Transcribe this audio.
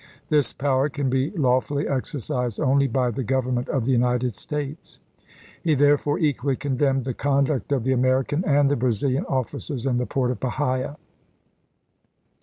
This power can be lawfully exercised only by the Government of the United States." He therefore equally condemned the conduct of the American and the Brazilian offi cers in the port of Bahia.